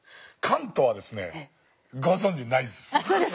カントはですねご存じないです。